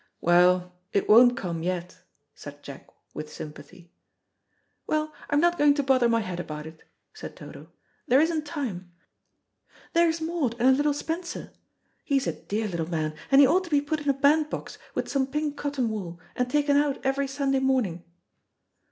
"Well, it won't come yet," said Jack with sympathy. "Well, I'm not going to bother my head about it," said Dodo, "there isn't time. There's Maud and her little Spencer. He's a dear little man, and he ought to be put in a band box with some pink cotton wool, and taken out every Sunday morning."